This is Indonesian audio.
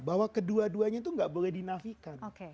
bahwa kedua duanya itu nggak boleh dinafikan